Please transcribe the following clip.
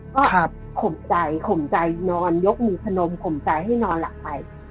ก็ข่มใจข่มใจนอนยกมือพนมข่มใจให้นอนหลับไป